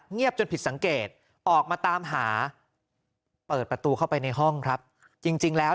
จนผิดสังเกตออกมาตามหาเปิดประตูเข้าไปในห้องครับจริงแล้ว